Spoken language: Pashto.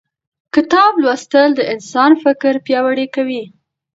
کتاب لوستل د انسان فکر پیاوړی کوي